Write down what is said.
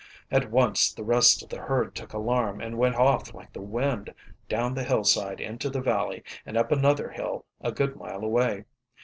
At once the rest of the herd took alarm, and went off like the wind, down the hillside into the valley and up another hill a good mile away.